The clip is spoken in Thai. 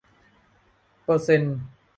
เปอร์เซนต์